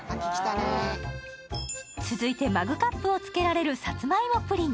続いて、マグカップをつけられるサツマイモプリン。